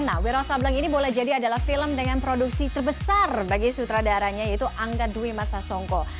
nah wiro sableng ini boleh jadi adalah film dengan produksi terbesar bagi sutradaranya yaitu angga dwi masa songko